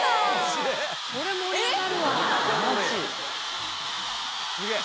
すごい。